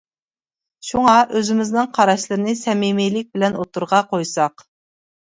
شۇڭا ئۆزىمىزنىڭ قاراشلىرىنى سەمىمىيلىك بىلەن ئوتتۇرىغا قويساق.